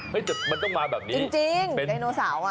มันจะต้องมาแบบนี้จริงดาโนเสา